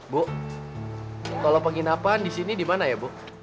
bu kalau penginapan disini dimana ya bu